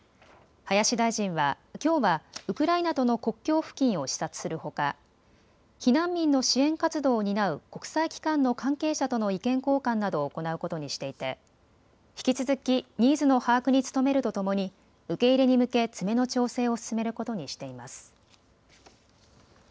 林大臣はきょうはウクライナとの国境付近を視察するほか避難民の支援活動を担う国際機関の関係者との意見交換などを行うことにしていて引き続きニーズの把握に努めるとともに受け入れに向け詰めの調整を進めることにしています。